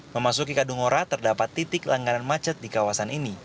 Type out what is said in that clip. memasuki kadungora terdapat titik langganan macet di kawasan ini